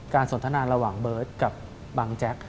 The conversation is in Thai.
สนทนาระหว่างเบิร์ตกับบังแจ๊ก